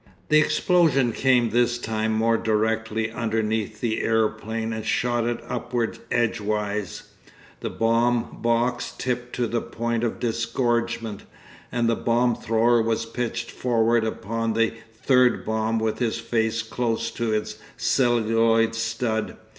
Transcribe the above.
The explosion came this time more directly underneath the aeroplane and shot it upward edgeways. The bomb box tipped to the point of disgorgement, and the bomb thrower was pitched forward upon the third bomb with his face close to its celluloid stud.